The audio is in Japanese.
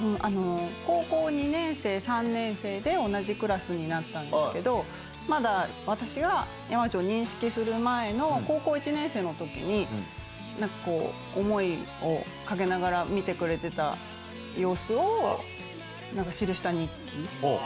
高校２年生、３年生で同じクラスになったんですけど、まだ私が山内を認識する前の高校１年生のときに、なんかこう、思いを陰ながら見てくれてた様子を、記した日記。